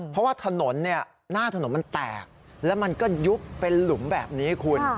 เพราะว่าถนนหน้าถนนมันแตกแล้วมันก็ยุบเป็นหลุมแบบนี้คุณ